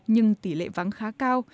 nhưng tỷ lệ vắng khá cao